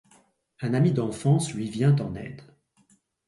Un ami d'enfance lui vient en aide.